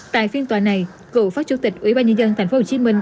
tại phiên tòa này cựu phó chủ tịch ủy ban nhân dân thành phố hồ chí minh